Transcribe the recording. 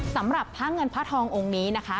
สำหรับพระเงินพระทององค์นี้นะคะ